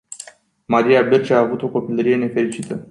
Maria Berci a avut o copilărie nefericită.